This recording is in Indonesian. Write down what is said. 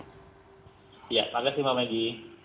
ya terima kasih mbak maggie